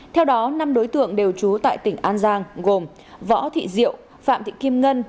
theo đó năm đối tượng đều trú tại tp hcm gồm võ thị diệu phạm thị kim ngân